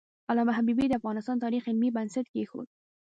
علامه حبیبي د افغانستان د تاریخ علمي بنسټ کېښود.